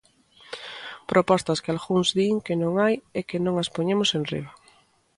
Propostas que algúns din que non hai e que non as poñemos enriba.